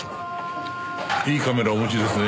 いいカメラをお持ちですね。